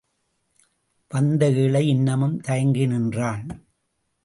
வந்த ஏழை இன்னமும் தயங்கி நின்றான்.